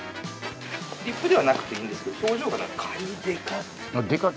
リップではなくていいんですけど、表情で、カニでかっ！